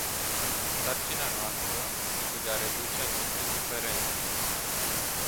Sarcina noastră este de a reduce aceste diferențe.